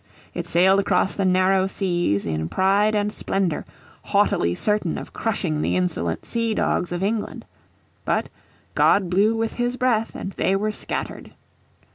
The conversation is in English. It sailed across the narrow seas in pride and splendour, haughtily certain of crushing the insolent sea dogs of England. But "God blew with His breath and they were scattered."